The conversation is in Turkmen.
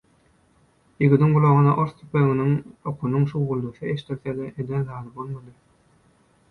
Ýigidiň gulagyna ors tüpeňiniň okunyň şuwwuldysy eşdilse-de eden zady bolmady.